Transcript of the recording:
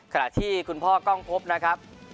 ขณะที่คุณพ่อกล้องพบนะครับ